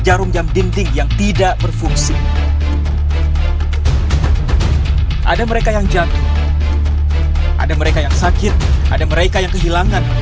jangan lupa untuk berlangganan